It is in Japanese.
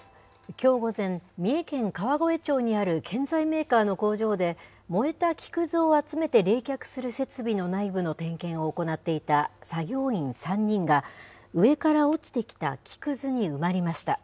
きょう午前、三重県川越町にある建材メーカーの工場で、燃えた木くずを集めて冷却する設備の内部の点検を行っていた作業員３人が、上から落ちてきた木くずに埋まりました。